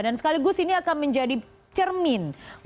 dan sekaligus ini akan menjadi penerbangan